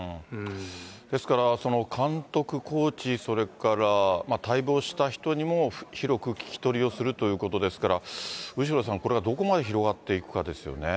ですから、監督、コーチ、それから退部をした人にも広く聞き取りをするということですから、後呂さん、これがどこまで広がっていくかですよね。